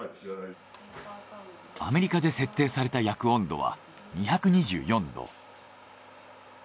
アメリカで設定された焼く温度は２２４℃。